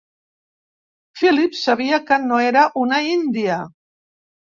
Philip sabia que no era una índia.